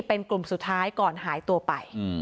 เป็นกลุ่มสุดท้ายก่อนหายตัวไป